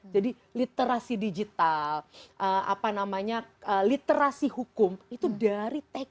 jadi literasi digital apa namanya literasi hukum itu dari tk